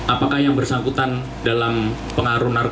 apakah yang bersangkutan dalam pengaruh narkoba